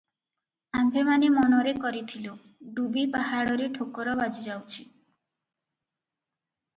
ଆମ୍ଭେମାନେ ମନରେ କରିଥିଲୁ, ଡୁବି ପାହାଡରେ ଠୋକର ବାଜି ଯାଉଛି ।